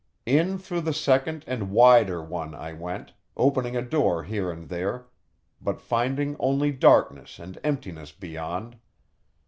In through the second and wider one I went, opening a door here and there, but finding only darkness and emptiness beyond.